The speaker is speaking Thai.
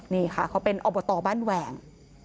นี่ค่ะเขาเป็นอบตบ้านแหว่ง